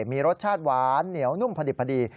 มีรสชาติหวานเหนียวนุ่มพอดิบพอดี